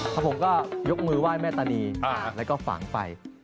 ครับผมก็ยกมือว่ายแม่ตานีและฝังไป